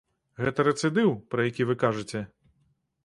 Гэта рэцыдыў, пра які вы кажаце?